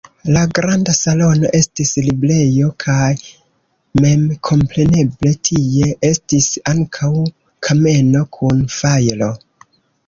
La granda salono estis librejo kaj memkompreneble tie estis ankaŭ kameno kun fajro.